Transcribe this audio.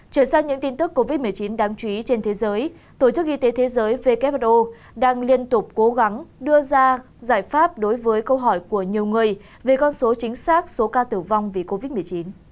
chuyển sang những tin tức covid một mươi chín đáng chú ý trên thế giới tổ chức y tế thế giới who đang liên tục cố gắng đưa ra giải pháp đối với câu hỏi của nhiều người về con số chính xác số ca tử vong vì covid một mươi chín